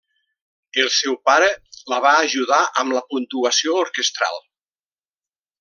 El seu pare la va ajudar amb la puntuació orquestral.